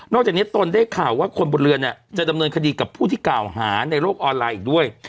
จากนี้ตนได้ข่าวว่าคนบนเรือเนี่ยจะดำเนินคดีกับผู้ที่กล่าวหาในโลกออนไลน์อีกด้วย